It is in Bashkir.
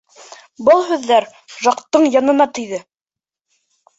Был һүҙҙәр Жактың йәненә тейҙе.